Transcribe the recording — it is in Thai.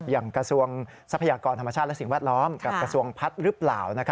ยังไม่เคยพูดและไม่มีการตอบรอง